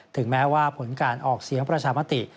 ถึงแม้ว่าผลการออกเสียงประชามติ